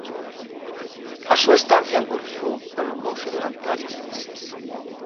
A súa estancia en Corfú prolongouse durante varios meses.